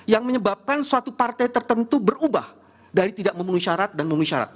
yang menyebabkan suatu partai tertentu berubah dari tidak memenuhi syarat dan memenuhi syarat